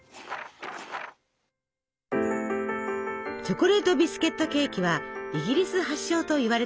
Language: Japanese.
チョコレートビスケットケーキはイギリス発祥といわれています。